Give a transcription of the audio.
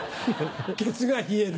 ケツが冷える。